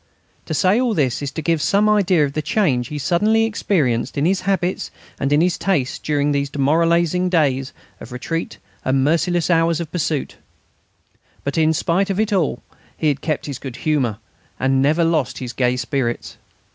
To say all this is to give some idea of the change he suddenly experienced in his habits and his tastes during those demoralising days of retreat and merciless hours of pursuit. But, in spite of all, he had kept his good humour and never lost his gay spirits.